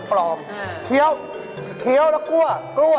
เพราะเขาเป็นราคาถูก